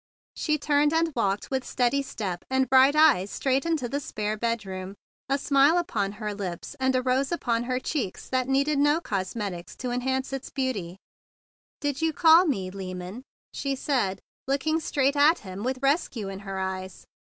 She turned, and walked with steady step and bright eyes straight into the spare bedroom, a smile upon her lips and a 170 THE BIG BLUE SOLDIER rose upon her cheek that needed no cos¬ metics to enhance its beauty. "Did you call me—Lyman?" she said, looking straight at him with rescue in her eyes.